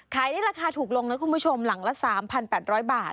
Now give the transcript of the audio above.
ได้ราคาถูกลงนะคุณผู้ชมหลังละ๓๘๐๐บาท